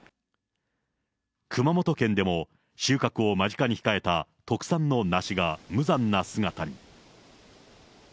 熊本県でも、収穫を間近に控えた特産のなしが無残な姿に。